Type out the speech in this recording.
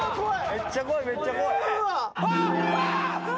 めっちゃ怖いめっちゃ怖い。